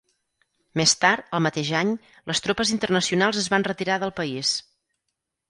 Més tard, al mateix any, les tropes internacionals es van retirar del país.